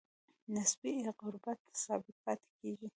نسبي غربت ثابت پاتې کیږي.